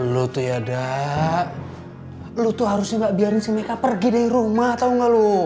lu tuh ya da lu tuh harusnya ga biarin si meka pergi dari rumah tau ga lu